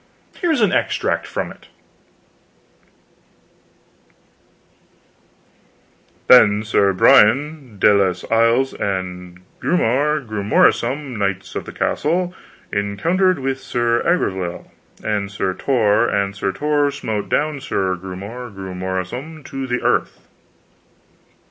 Here is an extract from it: Then Sir Brian de les Isles and Grummore Grummorsum, knights of the castle, encountered with Sir Aglovale and Sir Tor, and Sir Tor smote down Sir Grummore Grummorsum to the earth.